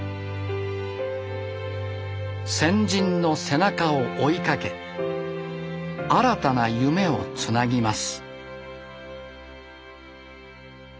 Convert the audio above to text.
先人の背中を追いかけ新たな夢をつなぎます。